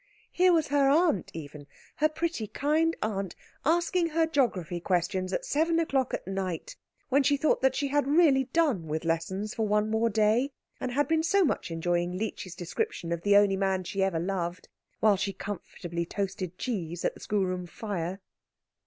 Here was her aunt even, her pretty, kind aunt, asking her geography questions at seven o'clock at night, when she thought that she had really done with lessons for one more day, and had been so much enjoying Leechy's description of the only man she ever loved, while she comfortably toasted cheese at the schoolroom fire.